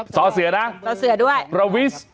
สอเสียนะประวิส